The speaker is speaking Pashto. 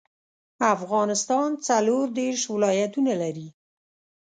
افغانستان څلوردیرش ولايتونه لري.